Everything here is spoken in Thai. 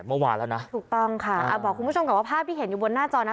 เมื่อวานแล้วนะถูกต้องค่ะอ่าบอกคุณผู้ชมก่อนว่าภาพที่เห็นอยู่บนหน้าจอนะ